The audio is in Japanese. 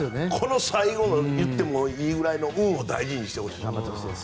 この最後といってもいいぐらいの運を大事にしてほしい。